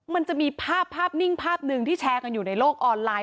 มันจะมีภาพภาพนิ่งภาพหนึ่งที่แชร์กันอยู่ในโลกออนไลน